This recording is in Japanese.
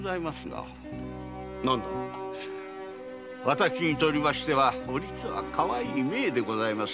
私にとりましてはお律はかわいい姪でございます。